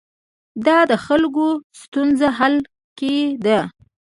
دا د خلکو ستونزو حل کې ده.